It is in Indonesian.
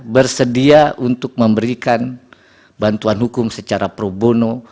bersedia untuk memberikan bantuan hukum secara probono